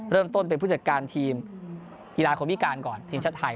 เริ่มต้นเป็นผู้จัดการทีมกีฬาคนพิการก่อนทีมชาติไทย